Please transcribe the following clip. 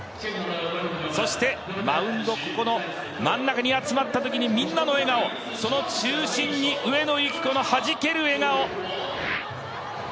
そして、マウンド真ん中に集まったときにみんなの笑顔、その中心に上野由岐子のはじける笑顔。